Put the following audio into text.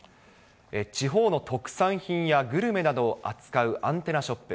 地方の特産品やグルメなどを扱うアンテナショップ。